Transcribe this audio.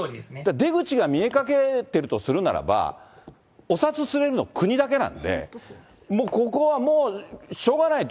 出口が見えかけているとするならば、お札すれるの国だけなんで、もうここはもうしょうがないと。